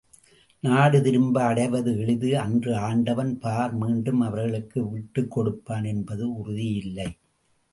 நாடு திரும்ப அடைவது எளிது அன்று ஆண்டவன் பார் மீண்டும் அவர்க்கு விட்டுக் கொடுப்பான் என்பது உறுதி இல்லை.